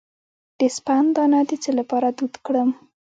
د سپند دانه د څه لپاره دود کړم؟